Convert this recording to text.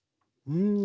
うん。